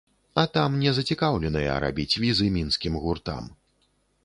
А там не зацікаўленыя рабіць візы мінскім гуртам.